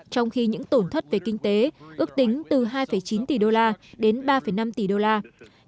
trong khi những tổn thất về kinh tế ước tính từ hai chín tỷ usd đến ba năm tỷ usd